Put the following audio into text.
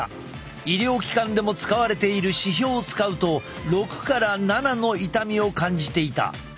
医療機関でも使われている指標を使うと６から７の痛みを感じていた。